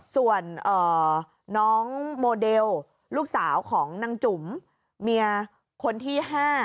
ส่วนน้องโมเดลลูกสาวของนางจุ๋มเมียคนที่๕